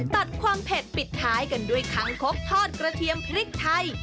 ตัดความเผ็ดปิดท้ายกันด้วยคังคกทอดกระเทียมพริกไทย